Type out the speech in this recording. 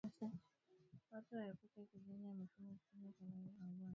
Watu waepuke kuchinja mifugo kipindi cha mlipuko wa ugonjwa